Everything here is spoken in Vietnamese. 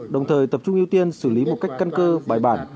đồng thời tập trung ưu tiên xử lý một cách căn cơ bài bản